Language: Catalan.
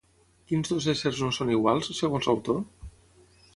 Quins dos éssers no són iguals, segons l'autor?